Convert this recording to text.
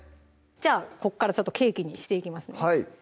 じゃあここからケーキにしていきますね